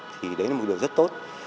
thì đấy là một điều rất tốt